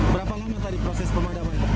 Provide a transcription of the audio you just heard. berapa lama tadi proses pemadaman